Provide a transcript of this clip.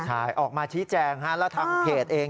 ใช่ออกมาชี้แจงแล้วทางเพจเอง